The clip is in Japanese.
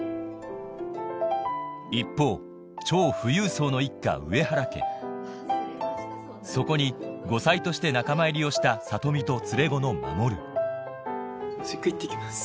一方超富裕層の一家上原家そこに後妻として仲間入りをした里美と連れ子の守オシッコ行って来ます。